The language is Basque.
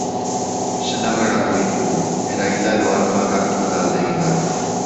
Senarrak galdu ditugu, erailda edo armak hartu eta alde eginda.